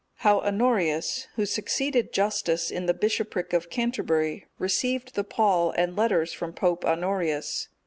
How Honorius, who succeeded Justus in the bishopric of Canterbury, received the pall and letters from Pope Honorius.